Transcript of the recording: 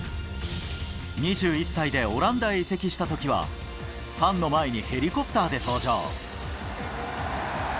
２１歳でオランダへ移籍したときは、ファンの前でヘリコプターで登場。